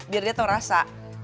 biar dia tau rasa